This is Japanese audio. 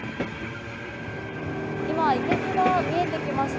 今、いけすが見えてきました。